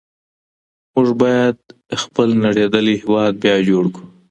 موږ بايد خپل نړېدلی هېواد بيا جوړ کړو.